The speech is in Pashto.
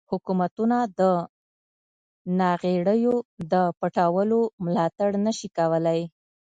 حکومتونه د ناغیړیو د پټولو ملاتړ نشي کولای.